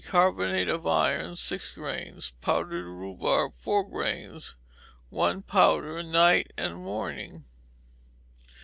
Carbonate of iron, six grains; powdered rhubarb, four grains: one powder night and morning.